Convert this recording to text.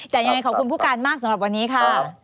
แต่ยังไงขอบคุณผู้การมากสำหรับวันนี้ค่ะ